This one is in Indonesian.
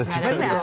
benar benar sekali